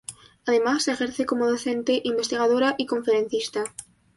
Además, ejerce como docente, investigadora y conferencista.